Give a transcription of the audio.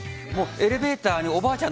エレベーターにおばあちゃん